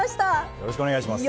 よろしくお願いします。